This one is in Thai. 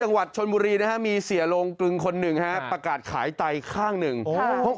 จังหวัดชนบุรีมีเสียโรงกรึงคนหนึ่งประกาศขายไต้ข้างหนึ่ง